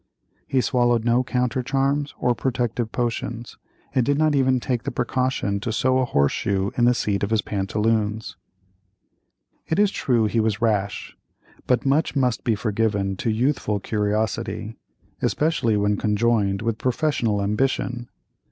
He swallowed no countercharms or protective potions, and did not even take the precaution to sew a horse shoe in the seat of his pantaloons. It is true he was rash, but much must be forgiven to youthful curiosity, especially when conjoined with professional ambition.